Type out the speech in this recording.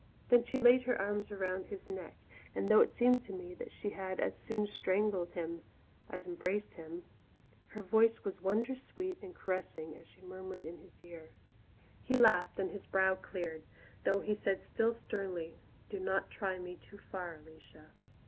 Then she laid her arms about his neck and though it seemed to me that she had as soon strangled as embraced him her voice was wondrous sweet and caressing as she murmured in his ear. He laughed and his brow cleared, though he said still sternly, "Do not try me too far, Alicia."